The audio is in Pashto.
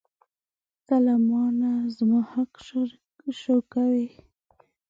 ته له مانه زما حق شوکوې.